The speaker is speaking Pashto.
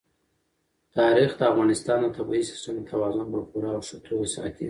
تاریخ د افغانستان د طبعي سیسټم توازن په پوره او ښه توګه ساتي.